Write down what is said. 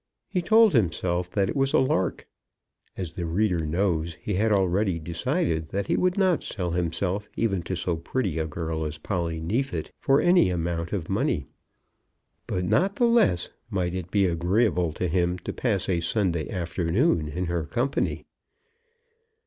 He told himself that it was a lark. As the reader knows, he had already decided that he would not sell himself even to so pretty a girl as Polly Neefit for any amount of money; but not the less might it be agreeable to him to pass a Sunday afternoon in her company.